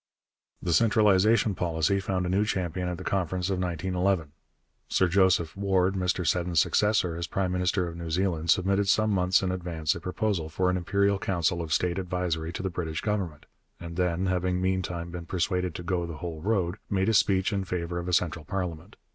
The centralization policy found a new champion at the Conference of 1911. Sir Joseph Ward, Mr Seddon's successor as prime minister of New Zealand, submitted some months in advance a proposal for an Imperial Council of State advisory to the British Government, and then, having meantime been persuaded to go the whole road, made a speech in favour of a central parliament.